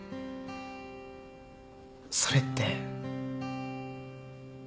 それって。